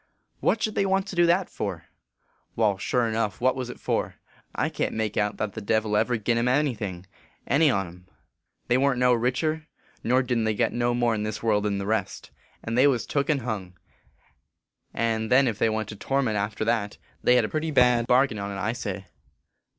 " What should they want to do that for ?"" Wai, sure enough ; what was it for ? I can t make out that the Devil ever gin em any thing, any on em. They warn t no richer, nor didn t get no more n this world than the rest ; and they was took and hung ; and then ef they went to torment after that, they hed a pretty bad bargain on t, I say."